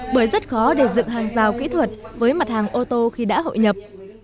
bởi rất khó để dựng hàng rào kỹ thuật với mặt hàng ô tô khi đã hội nhập